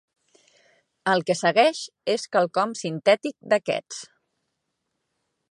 El que segueix és quelcom sintètic d'aquests.